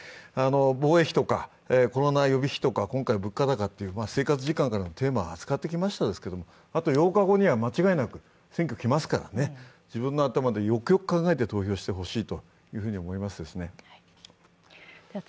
防衛費とかコロナ予備費とか、今回物価高だとか、生活実感のテーマを扱ってきましたけれども、あと８日後には間違いなく選挙がきますから、自分の頭でよくよく考えて投票してほしいと思いますね。